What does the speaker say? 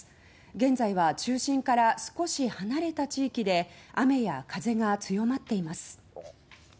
現在は中心から少し離れた地域で雨や風が強まっています。